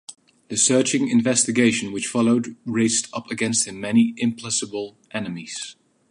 The searching investigation which followed raised up against him many implacable enemies.